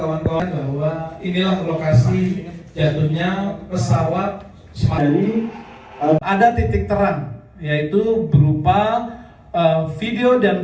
teman teman bahwa inilah lokasi jatuhnya pesawat semangat ada titik terang yaitu berupa video dan